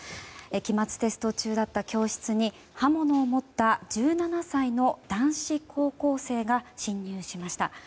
期末テスト中だった教室に刃物を持った１７歳の男子高校生が侵入しました。